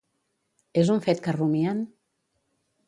És un fet que rumien?